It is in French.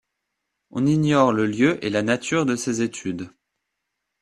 On ignore le lieu et la nature de ses études.